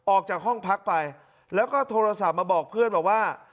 ออกจากห้องพักไปแล้วก็โทรศัพท์มาบอกเพื่อนบอกว่า